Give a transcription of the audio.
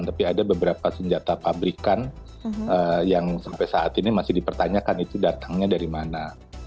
tapi ada beberapa senjata pabrikan yang sampai saat ini masih dipertanyakan itu datangnya dari mana